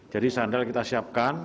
jadi sandal kita siapkan